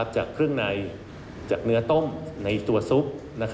จากเครื่องในจากเนื้อต้มในตัวซุป